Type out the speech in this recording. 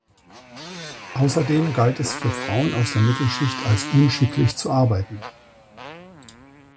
Außerdem galt es für Frauen aus der Mittelschicht als unschicklich zu arbeiten.